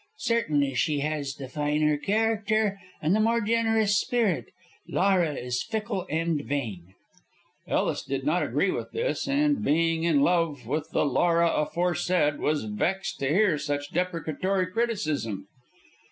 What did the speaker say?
Certainly she has the finer character, and the more generous spirit. Laura is fickle and vain." Ellis did not agree with this, and, being in love with the Laura aforesaid, was vexed to hear such deprecatory criticism.